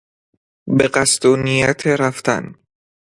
به قصد و نیت رفتن